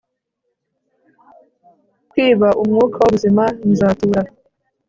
kwiba umwuka wubuzima, nzatura